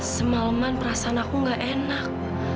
semalaman perasaan aku gak enak